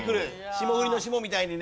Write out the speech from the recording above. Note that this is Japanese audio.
霜降りの「霜」みたいにね。